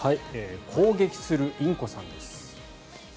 攻撃するインコさんです。